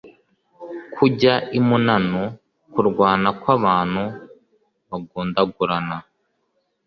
kujya imunanu: kurwana kw’abantu bagundagurana